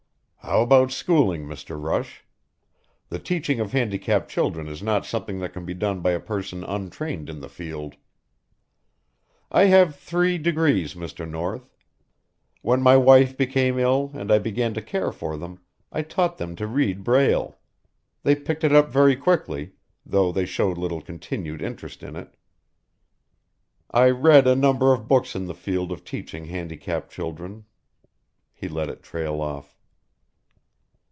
"How about schooling, Mr. Rush? The teaching of handicapped children is not something that can be done by a person untrained in the field." "I have three degrees, Mr. North. When my wife became ill and I began to care for them I taught them to read braille. They picked it up very quickly, though they showed little continued interest in it. I read a number of books in the field of teaching handicapped children ..." He let it trail off.